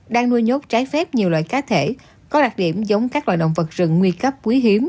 đang nuôi nhốt trái phép nhiều loài cá thể có đặc điểm giống các loài động vật rừng nguy cấp nguy hiểm